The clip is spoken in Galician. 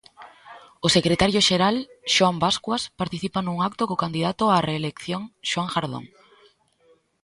O secretario xeral, Xoán Bascuas, participa nun acto co candidato á reelección, Xoán Jardón.